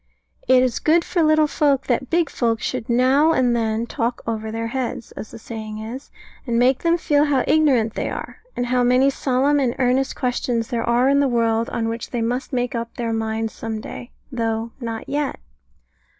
It is good for little folk that big folk should now and then "talk over their heads," as the saying is, and make them feel how ignorant they are, and how many solemn and earnest questions there are in the world on which they must make up their minds some day, though not yet.